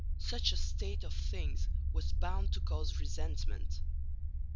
Such a state of things was bound to cause resentment.